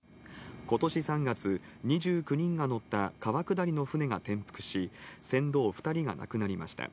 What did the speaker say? ことし３月、２９人が乗った川下りの船が転覆し、船頭２人が亡くなりました。